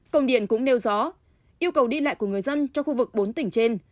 công điện cũng nêu rõ yêu cầu đi lại của người dân cho khu vực bốn tỉnh trên